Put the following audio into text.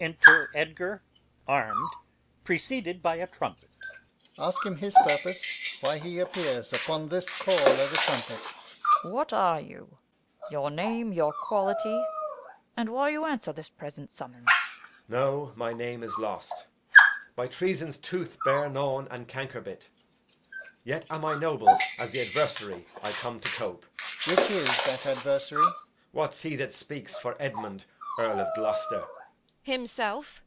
Enter Edgar, armed, at the third sound, a Trumpet before him. Alb. Ask him his purposes, why he appears Upon this call o' th' trumpet. Her. What are you? Your name, your quality? and why you answer This present summons? Edg. Know my name is lost; By treason's tooth bare gnawn and canker bit. Yet am I noble as the adversary I come to cope. Alb. Which is that adversary? Edg. What's he that speaks for Edmund Earl of Gloucester? Edm. Himself.